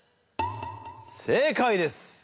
正解です！